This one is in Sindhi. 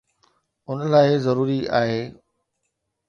ان لاءِ ضروري آهي